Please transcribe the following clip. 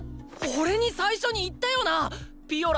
おれに最初に言ったよなッ！